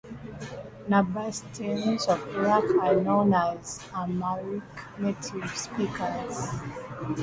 Nabataeans of Iraq were known as Aramaic native speakers.